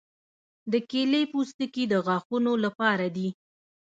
د کیلې پوستکي د غاښونو لپاره دي.